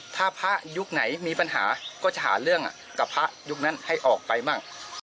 ถ้าพระยุคไหนมีปัญหาก็จะหาเรื่องกับพระยุคนั้นให้ออกไปบ้าง